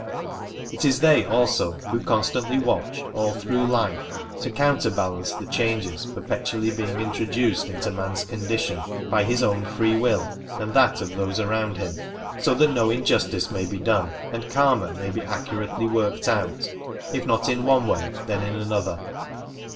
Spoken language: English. It is they also who constantly watch all through life to counterbalance the changes perpetually being intro duced into man's condition by his own free will and that of those around him, so that no injustice may be done, and Karma may be accurately worked out, if not in one way then in another.